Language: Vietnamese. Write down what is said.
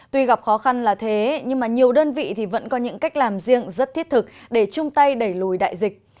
tuy gặp khó khăn là thế nhưng mà nhiều đơn vị vẫn có những cách làm riêng rất thiết thực để chung tay đẩy lùi đại dịch